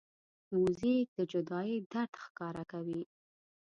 موزیک د جدایۍ درد ښکاره کوي.